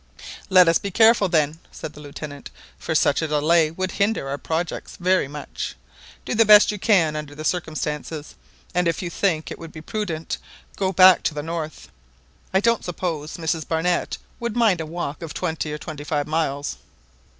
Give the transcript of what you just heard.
"Let us be careful, then," said the Lieutenant; "for such a delay, would hinder our projects very much. Do the best you can under the circumstances, and if you think it would be prudent, go back to the north. I don't suppose Mrs Barnett would mind a walk of twenty or twenty five miles."